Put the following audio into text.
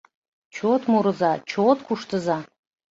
Чот мурыза, чот куштыза